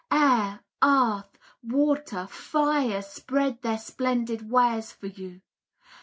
Air, earth, water, fire, spread their splendid wares for you.